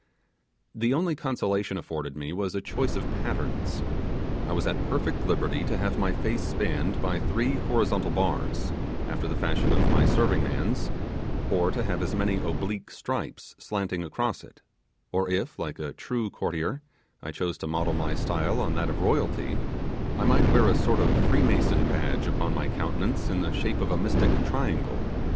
The only consolation afforded me was a choice of patterns: I was at perfect liberty to have my face spanned by three horizontal bars, after the fashion of my serving man's; or to have as many oblique stripes slanting across it; or if, like a true courtier, I chose to model my style on that of royalty, I might wear a sort of freemason badge upon my countenance in the shape of a mystic triangle.